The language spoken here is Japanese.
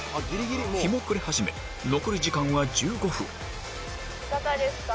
日も暮れ始め残り時間は１５分・いかがですか？